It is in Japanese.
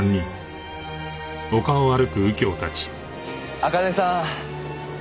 茜さん